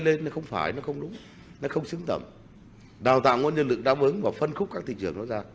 lên nó không phải nó không đúng nó không xứng tầm đào tạo nguồn nhân lực đáp ứng và phân khúc các thị trường nó ra